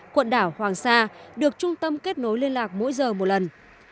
quần đảo hoàng sa được trung tâm kết nối liên lạc mỗi giờ một lần